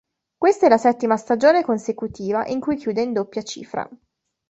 Questa è la settima stagione consecutiva in cui chiude in doppia cifra.